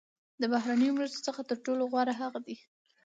د بهرنیو مرستو څخه تر ټولو غوره هغه دي.